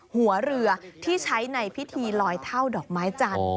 หัวเรือที่ใช้ในพิธีลอยเท่าดอกไม้จันทร์